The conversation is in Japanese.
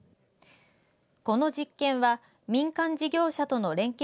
この実験は民間事業者との連携